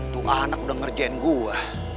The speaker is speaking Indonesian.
tuh anak udah ngerjain gue